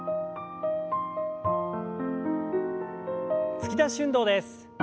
突き出し運動です。